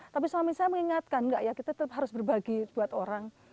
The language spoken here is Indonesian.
tapi suami saya mengingatkan enggak ya kita tetap harus berbagi buat orang